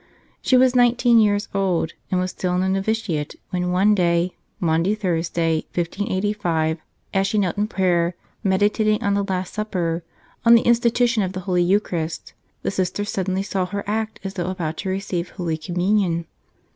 She was nineteen years old and was still in the novitiate when one day, Maundy Thursday, 1585, as she knelt in prayer, meditating on the Last Supper, on the institution of the Holy Eucharist, the Sisters sud¬ denly saw her act as though about to receive Holy 129 "Tell Us Another r \' Communion.